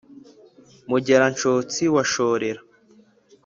mugera-nshotsi wa shorera